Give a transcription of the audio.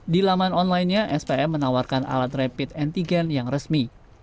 di laman online nya spm menawarkan alat rapid antigen yang resmi